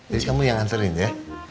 jadi kamu yang anterin ya